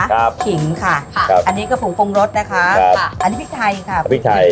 ครับขิงค่ะครับอันนี้ก็ผงโฟมรสนะคะครับอันนี้พริกไทยค่ะพริกไทย